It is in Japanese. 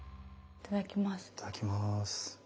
いただきます。